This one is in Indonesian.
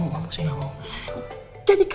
jadi kamu mau bertahan sama dia